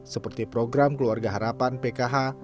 seperti program keluarga harapan pkh